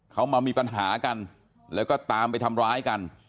เขามามีปัญหากันแล้วก็ตามไปทำร้ายกัน